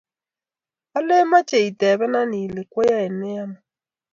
alen mache itebena ile kwayae nee amut